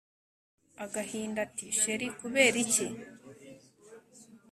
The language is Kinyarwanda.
agahinda ati chr kuberiki